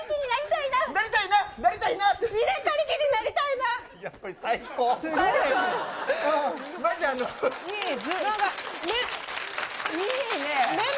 いいね。